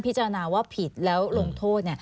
พิจารณาว่าผิดแล้วลงโทษ